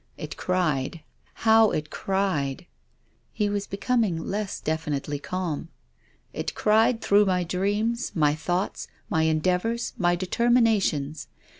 It cried, how it cried !" He was becoming less definitely calm. " It cried through my dreams, my thoughts, my endeavours, my determinations.